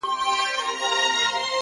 دا خپله وم’